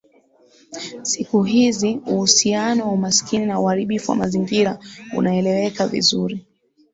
Siku hizi uhusiano wa umaskini na uharibifu wa mazingira unaeleweka vizuri